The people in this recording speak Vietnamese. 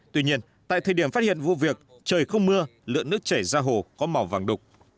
tuy nhiên tại thời điểm phát hiện vụ việc trời không mưa lượng nước chảy ra hồ có màu vàng đục